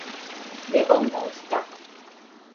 Ne bongusta...